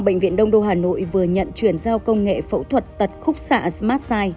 bệnh viện đông đô hà nội vừa nhận chuyển giao công nghệ phẫu thuật tật khúc xạ smartsight